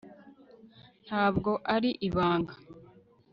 ntabwo ari ibanga